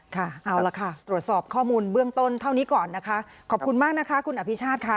ค่ะเอาล่ะค่ะตรวจสอบข้อมูลเบื้องต้นเท่านี้ก่อนนะคะขอบคุณมากนะคะคุณอภิชาติค่ะ